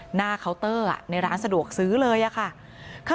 เคาน์เตอร์ในร้านสะดวกซื้อเลยอะค่ะ